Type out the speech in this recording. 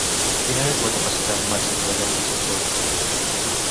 Quina és la capacitat màxima d'aquest ascensor?